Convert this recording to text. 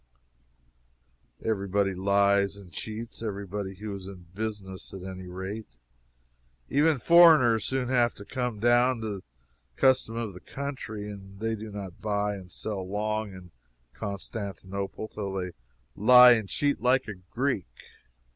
Every body lies and cheats every body who is in business, at any rate. Even foreigners soon have to come down to the custom of the country, and they do not buy and sell long in Constantinople till they lie and cheat like a Greek.